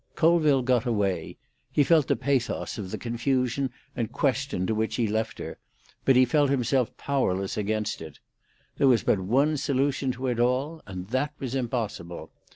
Colville got away. He felt the pathos of the confusion and question to which he left her, but he felt himself powerless against it. There was but one solution to it all, and that was impossible.